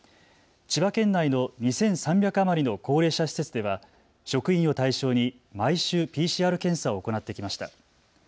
千葉県内の２３００余りの高齢者施設では職員を対象に毎週ＰＣＲ検査を行ってきました。